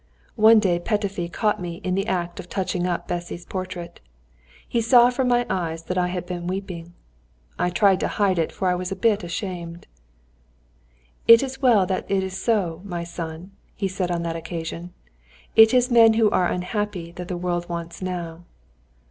One day Petöfi caught me in the act of touching up Bessy's portrait. He saw from my eyes that I had been weeping. I tried to hide it, for I was a bit ashamed. "It is well that it is so, my son," said he on that occasion; "_it is men who are unhappy that the world wants now.